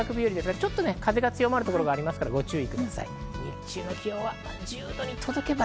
ちょっと風の強まる所もありますので、ご注意してください。